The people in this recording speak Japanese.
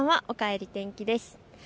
おかえり天気です。